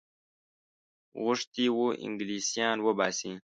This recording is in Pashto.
غوښتي وه انګلیسیان وباسي.